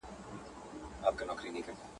چي ماڼۍ د فرعونانو وه ولاړه `